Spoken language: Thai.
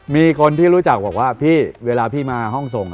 มีคนที่รู้จักบอกว่าพี่เวลาพี่มาห้องส่ง